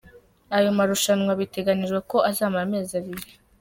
Aya marushanwa biteganijwe ko azamara amezi abiri.